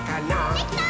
できたー！